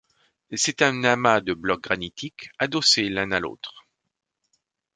C'est un amas de blocs granitiques, adossés l'un à l'autre.